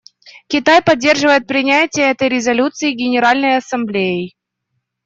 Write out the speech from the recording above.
Китай поддерживает принятие этой резолюции Генеральной Ассамблеей.